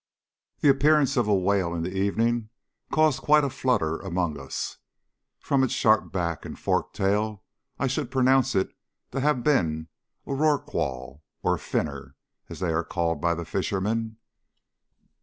The appearance of a whale in the evening caused quite a flutter among us. From its sharp back and forked tail, I should pronounce it to have been a rorqual, or "finner," as they are called by the fishermen.